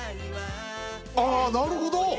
あーなるほど！